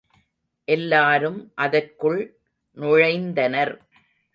எல்லாரும் அதற்குள் நுழைந்தனர்.